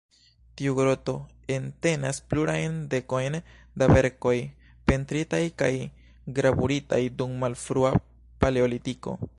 Tiu groto entenas plurajn dekojn da verkoj pentritaj kaj gravuritaj dum malfrua Paleolitiko.